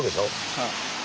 はい。